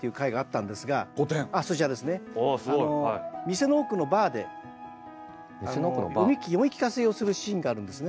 店の奥のバーで読み聞かせをするシーンがあるんですね。